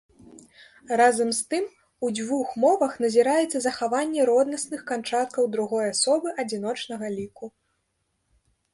Разам з тым, у дзвюх мовах назіраецца захаванне роднасных канчаткаў другой асобы адзіночнага ліку.